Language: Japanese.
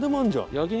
焼肉